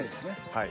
はい。